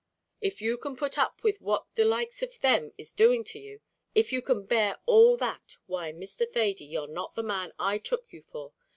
If you can put up with what the likes of them is doing to you if you can bear all that why, Mr. Thady, you're not the man I took you for.